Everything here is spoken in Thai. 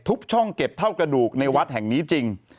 ช่องเก็บเท่ากระดูกในวัดแห่งนี้จริง